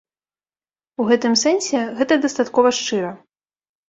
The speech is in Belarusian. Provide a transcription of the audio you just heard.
У гэтым сэнсе гэта дастаткова шчыра.